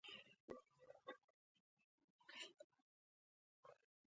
د هغه د کوم ښه صفت په باره کې مې نه دي اوریدلي.